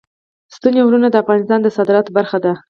ستوني غرونه د افغانستان د صادراتو برخه ده.